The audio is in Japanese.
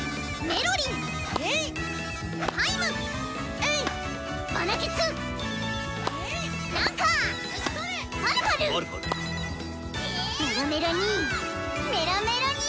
メロメロに！